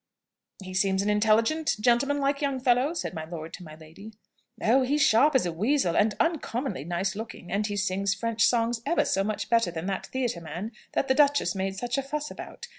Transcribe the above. "He seems an intelligent, gentleman like young fellow," said my lord to my lady. "Oh, he's as sharp as a weasel, and uncommonly nice looking. And he sings French songs ever so much better than that theatre man that the Duchess made such a fuss about.